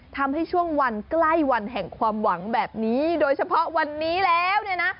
ช่วงวันใกล้วันแห่งความหวังแบบนี้โดยเฉพาะวันนี้แล้วเนี่ยนะ